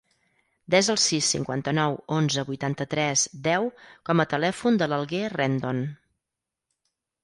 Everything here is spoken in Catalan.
Desa el sis, cinquanta-nou, onze, vuitanta-tres, deu com a telèfon de l'Alguer Rendon.